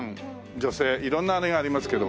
女性色んなあれがありますけど。